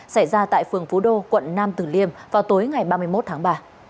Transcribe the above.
xảy ra tại phường phú đô quận nam tử liêm vào tối ngày ba mươi một tháng ba